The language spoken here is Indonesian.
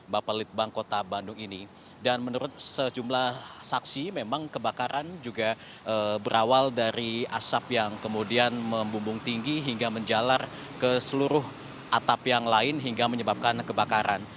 bapak litbang kota bandung ini dan menurut sejumlah saksi memang kebakaran juga berawal dari asap yang kemudian membumbung tinggi hingga menjalar ke seluruh atap yang lain hingga menyebabkan kebakaran